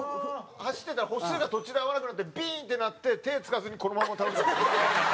走ってたら歩数が途中で合わなくなってピーン！ってなって手ぇつかずにこのまま倒れちゃって。